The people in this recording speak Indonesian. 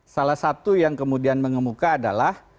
salah satu yang kemudian mengemuka adalah